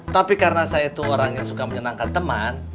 tapi karena saya itu orang yang suka menyenangkan teman